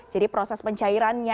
jadi proses pencairannya